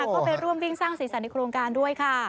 ก็ไปร่วมวิ่งสร้างสีสันในโครงการด้วยค่ะ